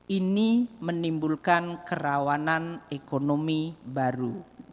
ini menimbulkan kerawanan ekonomi baru